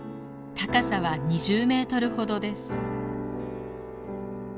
高さは２０メートルほどです。